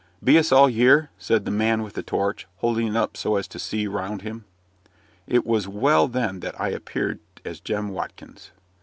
"Be us all y'ere?" said the man with the torch, holding it up so as to see round him. It was well then that I appeared as Jem Watkins.